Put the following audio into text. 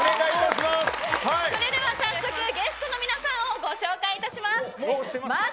それでは早速ゲストの皆さんをご紹介します。